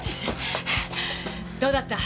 どうだった？